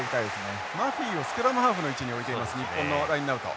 マフィをスクラムハーフの位置に置いています日本のラインアウト。